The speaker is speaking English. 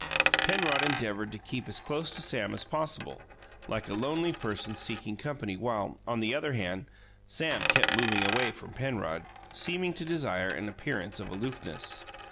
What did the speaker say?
Penrod endeavoured to keep as close to Sam as possible, like a lonely person seeking company, while, on the other hand, Sam kept moving away from Penrod, seeming to desire an appearance of aloofness.